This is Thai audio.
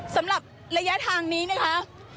สำหรับระยะทางนี้นะคะ